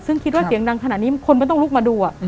ซึ่งคิดว่าเสียงดังขนาดนี้คนไม่ต้องลุกมาดู